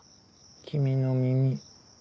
君の耳。